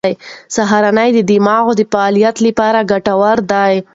سهارنۍ د دماغ د فعالیت لپاره ګټوره ده.